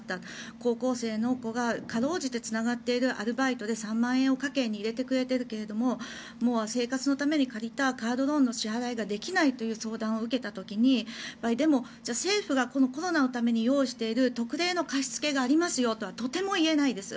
高校生の子がかろうじてつながっているアルバイトで３万円を家計に入れてくれているけれど生活ために借りたカードローンの支払いができないという相談を受けた時に政府がコロナのために用意している特例の貸し付けがありますよとはとても言えないです。